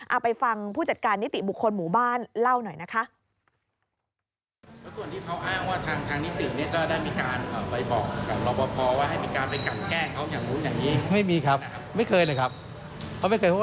เอาไปฟังผู้จัดการนิติบุคคลหมู่บ้านเล่าหน่อยนะคะ